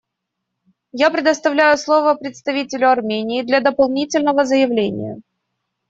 Я предоставляю слово представителю Армении для дополнительного заявления.